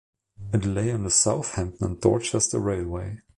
It lay on the Southampton and Dorchester Railway.